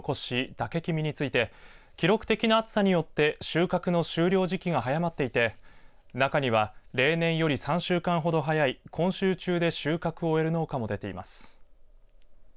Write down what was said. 嶽きみについて、記録的な暑さによって収穫の終了時期が早まっていて中には、例年より３週間ほど早い今週中で収穫を終える農家も出ています。